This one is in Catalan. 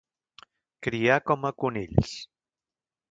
Criar com a conills.